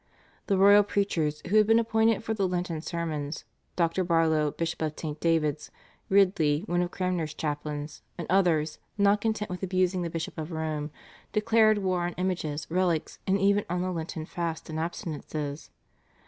The royal preachers who had been appointed for the Lenten sermons, Dr. Barlow, Bishop of St. David's, Ridley one of Cranmer's chaplains, and others, not content with abusing the Bishop of Rome, declared war on images, relics, and even on the Lenten fasts and abstinences.